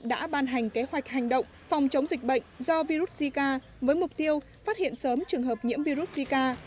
đã ban hành kế hoạch hành động phòng chống dịch bệnh do virus zika với mục tiêu phát hiện sớm trường hợp nhiễm virus zika